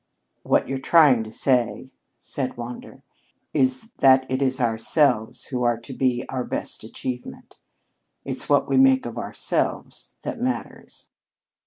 "What you're trying to say," said Wander, "is that it is ourselves who are to be our best achievement. It's what we make of ourselves that matters."